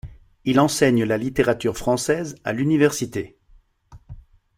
Il enseigne la littérature française à l'université.